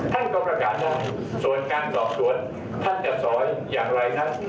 ท่านก็ประกาศว่าส่วนการสอบสวนท่านจะสอนอย่างไรนั้น